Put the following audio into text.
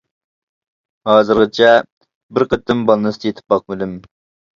ھازىرغىچە بىر قېتىم بالنىستتا يېتىپ باقمىدىم.